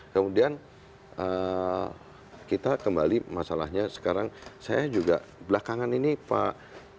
kemudian kita kembali masalahnya sekarang saya juga belakangan ini pak jokowi kelihatan sangat